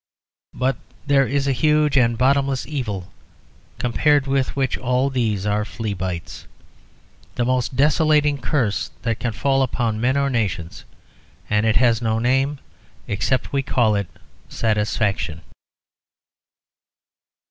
But there is a huge and bottomless evil compared with which all these are fleabites, the most desolating curse that can fall upon men or nations, and it has no name except we call it satisfaction.